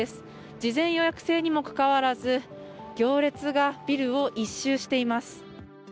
事前予約制にもかかわらず、行列がビルを一周しています。